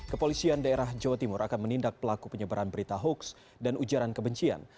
kepolisian daerah jawa timur akan menindak pelaku penyebaran berita hoaks dan ujaran kebencian